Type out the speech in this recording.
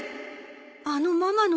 あのママの電話